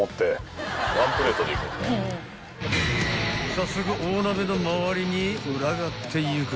［早速大鍋の周りに群がっていく］